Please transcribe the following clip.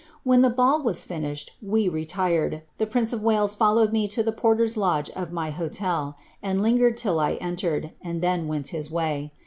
When the ball was fiaiihad, and we retired, the prince of Wales followed me to the porter's lodge of my hotel, and lingered till I entered, and then went his way.